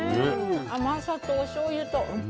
甘さとおしょうゆと。